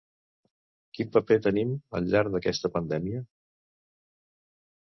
Quin paper tenim al llarg d’aquesta pandèmia?.